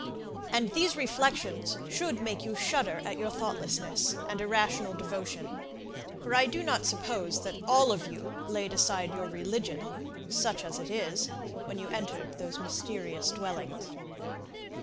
And these reflections should make you shudder at your thoughtlessness, and irrational devotion, for I do not suppose that all of you laid aside your religion, such as it is, when you entered those mysterious dwellings.